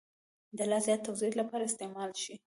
د لا زیات توضیح لپاره استعمال شي.